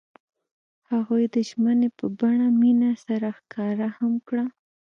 هغوی د ژمنې په بڼه مینه سره ښکاره هم کړه.